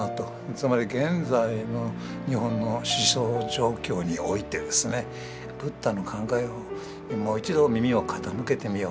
つまり現在の日本の思想状況においてですねブッダの考えにもう一度耳を傾けてみよう。